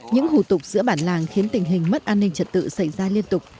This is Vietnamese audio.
những hủ tục giữa bản làng khiến tình hình mất an ninh trật tự xảy ra liên tục